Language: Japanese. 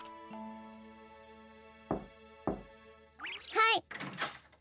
はい。